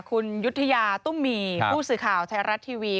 คุณยุธยาตุ้มมีผู้สื่อข่าวไทยรัฐทีวี